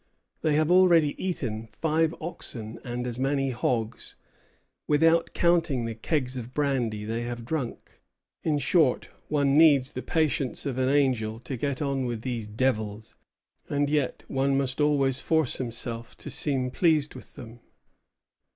They have already eaten five oxen and as many hogs, without counting the kegs of brandy they have drunk. In short, one needs the patience of an angel to get on with these devils; and yet one must always force himself to seem pleased with them."